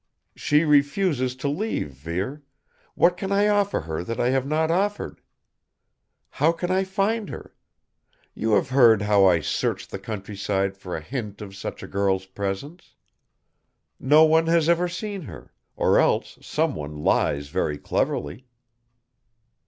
"She refuses to leave, Vere. What can I offer her that I have not offered? How can I find her? You have heard how I searched the countryside for a hint of such a girl's presence. No one has ever seen her; or else someone lies very cleverly."